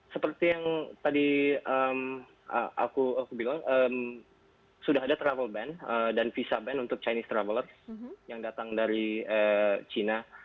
seperti yang tadi aku bilang sudah ada travel ban dan visa ban untuk chinese traveler yang datang dari cina